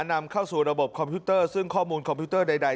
นำเข้าสู่ระบบคอมพิวเตอร์ซึ่งข้อมูลคอมพิวเตอร์ใด